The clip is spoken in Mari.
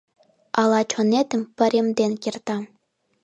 Ала чонетым паремден кертам?